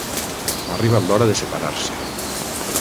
Ha arribat l'hora de separar-se.